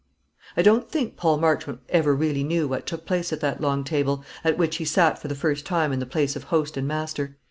I don't think Paul Marchmont ever really knew what took place at that long table, at which he sat for the first time in the place of host and master.